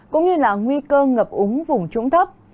cũng như là nguy cơ ngập úng vùng trũng thấp